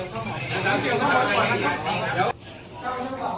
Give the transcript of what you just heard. ขอบคุณครับ